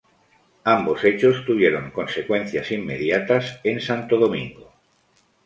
Ambos hechos tuvieron consecuencias inmediatas en Santo Domingo.